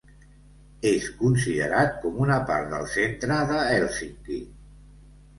És considerat com una part del centre de Hèlsinki.